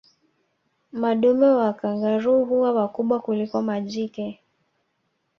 Madume wa kangaroo huwa wakubwa kuliko majike